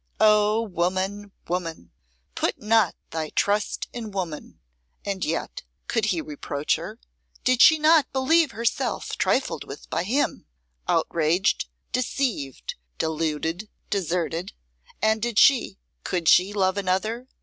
O Woman, Woman! Put not thy trust in woman! And yet, could he reproach her? Did she not believe herself trifled with by him, outraged, deceived, deluded, deserted? And did she, could she love another?